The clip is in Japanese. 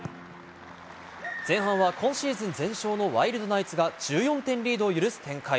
前半は今シーズン全勝のワイルドナイツが１４点リードを許す展開。